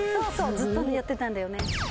ずっとねやってたんだよね。